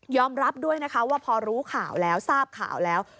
รับด้วยนะคะว่าพอรู้ข่าวแล้วทราบข่าวแล้ว